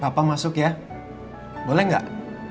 papa masuk ya boleh gak